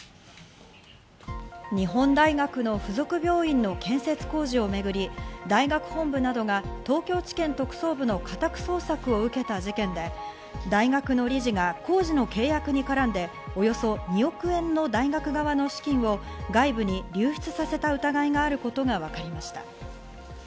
日本大学の附属病院の建設工事をめぐり大学本部などが東京地検特捜部の家宅捜索を受けた事件で、大学の理事が工事の契約に絡んで、およそ２億円の大学側の資金を外部に流出させた疑いがあることがわかりました。